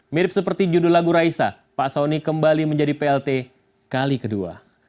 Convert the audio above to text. mirip seperti judul lagu raisa pak soni kembali menjadi plt kali kedua